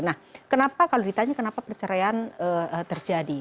nah kenapa kalau ditanya kenapa perceraian terjadi